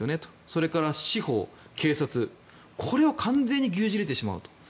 それから司法、警察これを完全に牛耳れてしまうと。